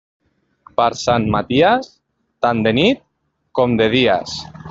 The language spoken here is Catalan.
Per Sant Maties, tant de nit com de dies.